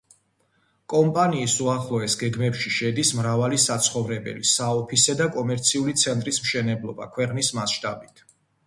კომპანიის უახლოეს გეგმებში შედის მრავალი საცხოვრებელი, საოფისე და კომერციული ცენტრის მშენებლობა ქვეყნის მასშტაბით.